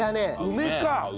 梅か！